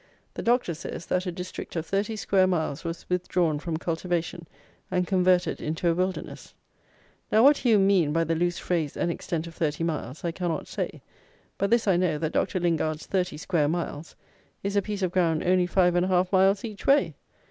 "The Doctor says that a district of thirty square miles was withdrawn from cultivation, and converted into a wilderness." Now, what HUME meaned by the loose phrase, "an extent of thirty miles," I cannot say; but this I know, that Dr. Lingard's "thirty square miles" is a piece of ground only five and a half miles each way!